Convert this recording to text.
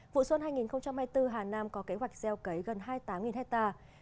vụ xuân hai nghìn hai mươi bốn hà nam có kế hoạch gieo cấy gần hai mươi tám hectare